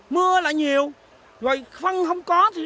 mưa là nhiều rồi phân không có thì được